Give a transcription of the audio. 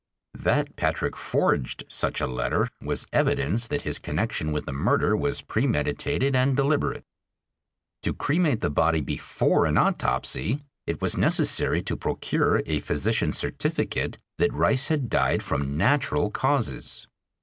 That Patrick forged such a letter was evidence that his connection with the murder was premeditated and deliberate. To cremate the body before an autopsy it was necessary to procure a physician's certificate that Rice had died from natural causes.